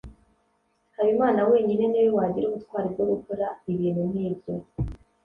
habimana wenyine ni we wagira ubutwari bwo gukora ibintu nkibyo